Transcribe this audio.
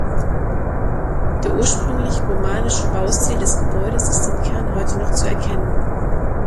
Der ursprünglich romanische Baustil des Gebäudes ist im Kern heute noch zu erkennen.